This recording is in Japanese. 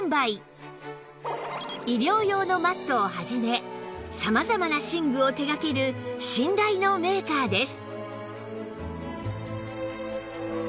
医療用のマットを始め様々な寝具を手掛ける信頼のメーカーです